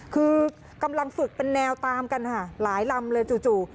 คือกำลังฝึกเป็นแนวตามกันค่ะหลายลำเลยจู่